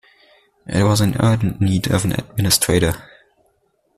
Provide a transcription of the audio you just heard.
It was in urgent need of an administrator.